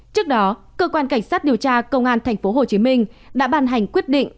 trước đó cơ quan cảnh sát điều tra công an tp hcm đã ban hành quyết định